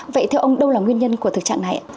vậy theo ông đâu là nguyên nhân của thực trạng này ạ